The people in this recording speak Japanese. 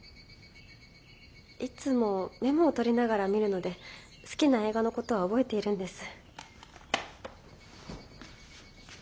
いつもメモを取りながら見るので好きな映画のことは覚えているんです。